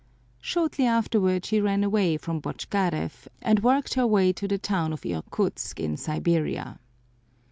Shortly afterward she ran away from Botchkarev and worked her way to the town of Irkutsk in Siberia.